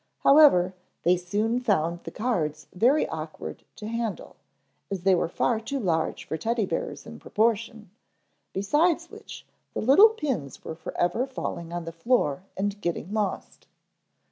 However, they soon found the cards very awkward to handle, as they were far too large for Teddy bears in proportion; besides which the little pins were forever falling on the floor and getting lost.